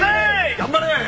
頑張れ！